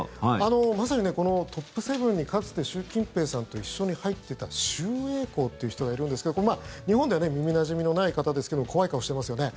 まさにこのトップ７にかつて習近平さんと一緒に入ってた周永康という人がいるんですけど日本では耳なじみのない方ですが怖い顔してますよね。